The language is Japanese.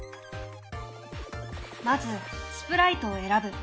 まずスプライトを選ぶ。